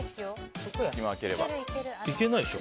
いけないでしょ。